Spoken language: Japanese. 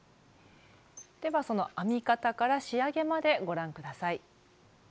ではその編み方から仕上げまでご覧下さい。